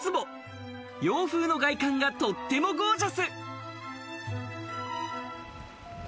洋風の外観がとってもゴージャス！